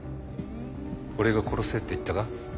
俺が殺せって言ったか？